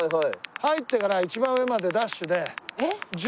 入ってから一番上までダッシュで１５分で登る。